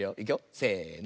せの。